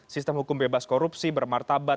sistem hukum bebas korupsi bermartabat